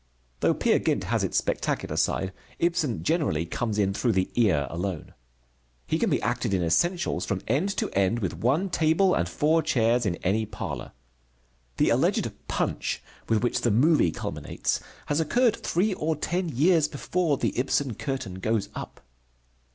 Though Peer Gynt has its spectacular side, Ibsen generally comes in through the ear alone. He can be acted in essentials from end to end with one table and four chairs in any parlor. The alleged punch with which the "movie" culminates has occurred three or ten years before the Ibsen curtain goes up.